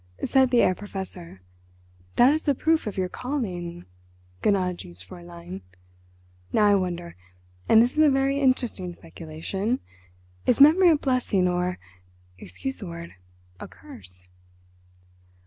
Said the Herr Professor: "That is the proof of your calling, gnädiges Fräulein. Now I wonder—and this is a very interesting speculation—is memory a blessing or—excuse the word—a curse?"